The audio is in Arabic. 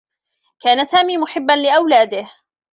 كان سامي محبّا لأولاده.